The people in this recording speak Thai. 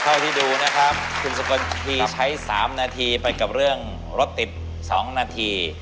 ใครที่ดูนะครับที่ใช้๓นาทีไปกับเรื่องรถติด๒นาที